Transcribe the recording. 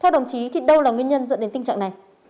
theo đồng chí thì đâu là nguyên nhân dẫn đến tình trạng này